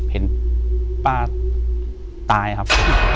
เห็นป้าตายครับ